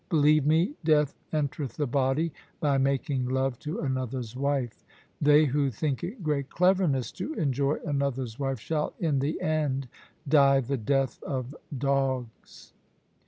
Believe me, death entereth the body by making love to another's wife. They who think it great cleverness to enjoy another's wife, shall in the end die the death of dogs."